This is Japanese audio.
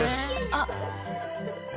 あっ！